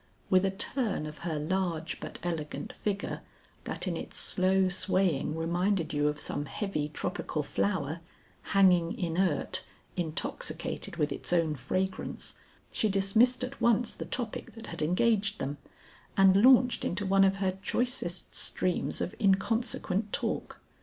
With a turn of her large but elegant figure that in its slow swaying reminded you of some heavy tropical flower, hanging inert, intoxicated with its own fragrance, she dismissed at once the topic that had engaged them, and launched into one of her choicest streams of inconsequent talk.